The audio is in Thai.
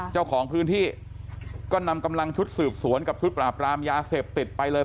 เจ้าของพื้นที่ก็นำกำลังชุดสืบสวนกับชุดปราบรามยาเสพติดไปเลย